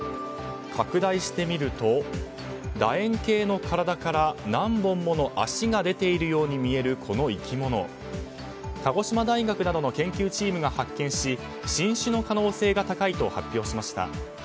拡大してみると楕円形の体から何本もの脚が出ているように見えるこの生き物鹿児島大学などの研究チームが発見し新種の可能性が高いと発表しました。